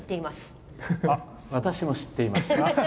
私も知っています。